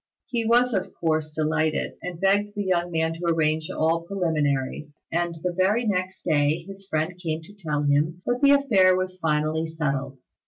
He was of course delighted, and begged the young man to arrange all preliminaries; and the very next day his friend came to tell him that the affair was finally settled.